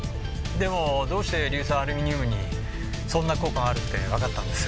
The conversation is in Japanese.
でもどうして硫酸アルミニウムにそんな効果があるってわかったんです？